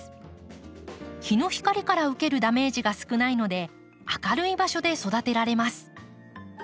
日の光から受けるダメージが少ないので明るい場所で育てられます。